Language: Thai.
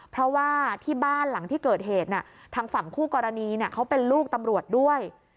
เพราะว่าที่บ้านหลังที่เกิดเหตุทางฝั่งคู่กรณีเขาเป็นลูกตำรวจด้วย